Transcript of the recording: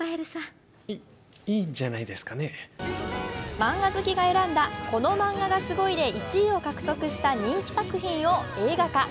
漫画好きが選んだ「このマンガがすごい！」で１位を獲得した人気作品を映画化。